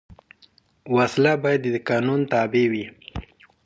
وسله باید د قانون تابع وي